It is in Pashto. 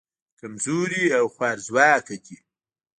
کمزوري او خوارځواکه دي.